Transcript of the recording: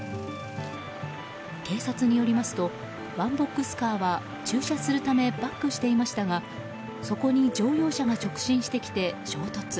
警察によりますとワンボックスカーは駐車するためバックしていましたがそこに乗用車が直進してきて衝突。